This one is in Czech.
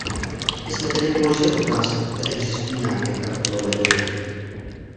My jsme tehdy položili otázku, zda existují nějaké kartelové dohody.